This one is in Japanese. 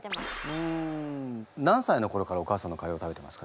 ふん何歳のころからお母さんのカレーを食べてますかね？